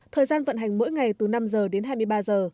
thời gian vận hành mỗi ngày từ năm giờ đến hai mươi ba giờ